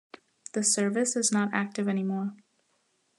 The service is not active anymore.